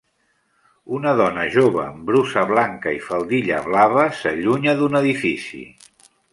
Una dona jove amb brusa blanca i faldilla blava s'allunya d'un edifici.